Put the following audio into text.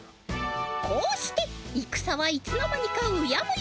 こうしてイクサはいつの間にかうやむや。